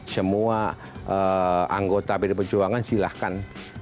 semua anggota pdi perjuangan silahkan